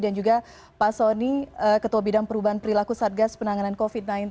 dan juga pak sonny ketua bidang perubahan perilaku satgas penanganan covid sembilan belas